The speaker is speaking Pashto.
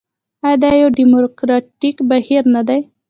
آیا دا یو ډیموکراټیک بهیر نه دی؟